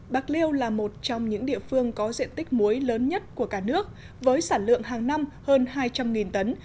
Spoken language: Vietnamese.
bạc liêu là một trong những địa phương có diện tích muối lớn nhất của cả nước với sản lượng hàng năm hơn hai trăm linh tấn